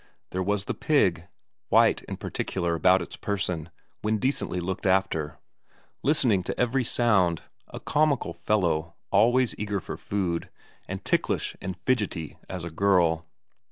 There was the pig, white and particular about its person when decently looked after, listening to every sound, a comical fellow, always eager for food, and ticklish and fidgety as a girl.